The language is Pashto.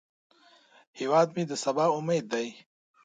هیواد مې د سبا امید دی